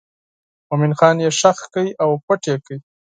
مومن خان یې ښخ کړ او پټ یې کړ.